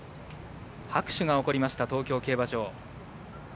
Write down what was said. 拍手が起こりました東京競馬場。